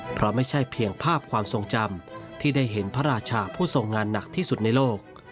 เพราะไม่ใช่เพียงภาพความทรงจำที่ได้เห็นพระราชาผู้ทรงงานหนักที่สุดในโลก